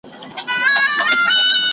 زه اوږده وخت ښوونځی ځم!.